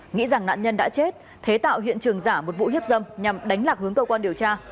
nghĩ rằng nạn nhân đã chết thế tạo hiện trường giả một vụ hiếp dâm nhằm đánh lạc hướng cơ quan điều tra